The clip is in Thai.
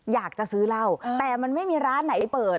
อยากจะซื้อเหล้าแต่มันไม่มีร้านไหนเปิด